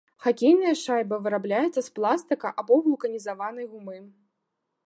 Хакейная шайба вырабляецца з пластыка або вулканізаванай гумы.